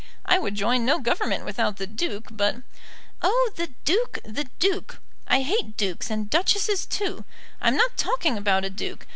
I would join no Government without the Duke; but " "Oh, the Duke the Duke! I hate dukes and duchesses too. I'm not talking about a duke.